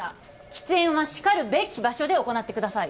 喫煙はしかるべき場所で行ってください